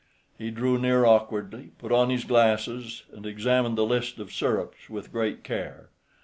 He drew near awkwardly, put on his glasses, and examined the list of syrups with great care.